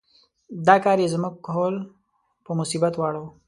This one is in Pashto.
دا کار یې زموږ کهول په مصیبت واړاوه.